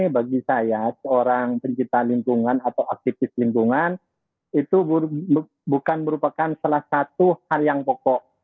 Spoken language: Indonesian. bagi saya seorang pencipta lingkungan atau aktivis lingkungan itu bukan merupakan salah satu hal yang pokok